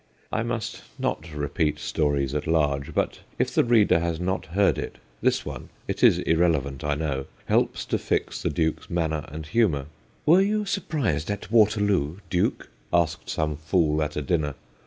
I must not repeat stories at large, but, if the reader has not heard it, this one it is irrelevant, I know helps to fix the Duke's manner and humour :' Were you surprised at Waterloo, Duke ?' asked some fool at a dinner.